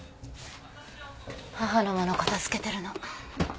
母の物片付けてるの。